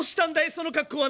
その格好は。